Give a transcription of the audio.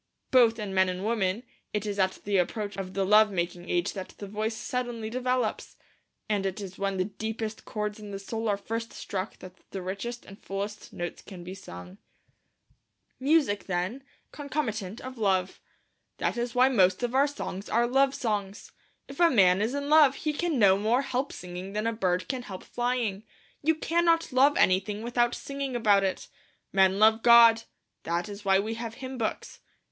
Both in men and women it is at the approach of the love making age that the voice suddenly develops, and it is when the deepest chords in the soul are first struck that the richest and fullest notes can be sung. Music, then, is the natural concomitant of Love. That is why most of our songs are love songs. If a man is in love he can no more help singing than a bird can help flying. You cannot love anything without singing about it. Men love God; that is why we have hymn books.